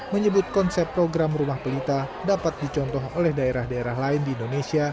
menyebut konsep program rumah pelita dapat dicontoh oleh daerah daerah lain di indonesia